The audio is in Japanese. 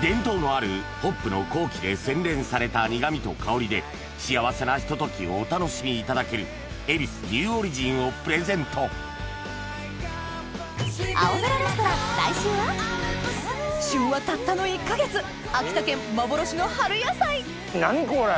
伝統のあるホップの高貴で洗練された苦みと香りで幸せなひとときをお楽しみいただける「ヱビスニューオリジン」をプレゼント旬はたったの１か月秋田県幻の春野菜何これ！